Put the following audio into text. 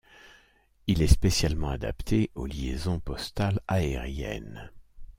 Il est spécialement adapté au liaisons postales aériennes.